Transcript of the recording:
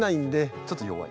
ちょっと弱い？